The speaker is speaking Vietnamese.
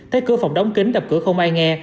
tới cửa phòng đóng kính đập cửa không ai nghe